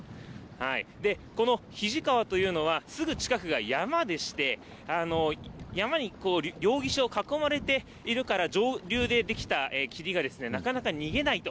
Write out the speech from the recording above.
この肱川というのは、すぐ近くが山でして、山に両岸を囲まれているから、上流で出来た霧がなかなか逃げないと。